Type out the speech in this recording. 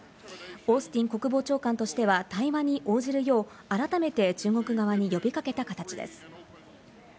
オースティン国防長官としては対話に応じるよう改めて中国側に呼び掛けた形です。